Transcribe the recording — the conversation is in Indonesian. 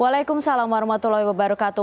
waalaikumsalam warahmatullahi wabarakatuh